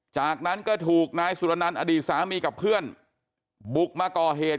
จากนั้นก็ถูกนายสุรนันต์อดีตสามีกับเพื่อนบุกมาก่อเหตุ